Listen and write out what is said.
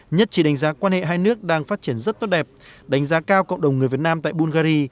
nhất chỉ đánh giá quan hệ hai nước đang phát triển rất tốt đẹp đánh giá cao cộng đồng người việt nam tại bungary